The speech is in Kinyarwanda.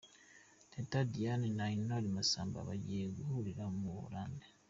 Teta Diana na Intore Masamba bagiye guhurira mu Buholande .